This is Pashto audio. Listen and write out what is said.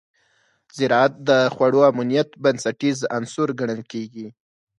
زراعت د خوړو امنیت بنسټیز عنصر ګڼل کېږي.